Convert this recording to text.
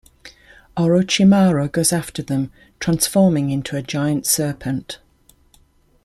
Orochimaru goes after them, transforming into a giant serpent.